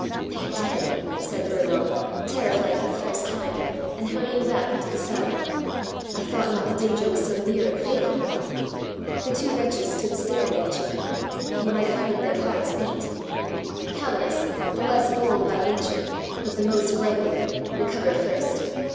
"They are dead," said Burbo, terrified for the first time, and hurrying back into the cell. "I thought not the danger was so near and fatal." The two wretches stood staring at each other — you might have heard their hearts beat! Calenus, the less bold by nature, but the most griping, recovered first.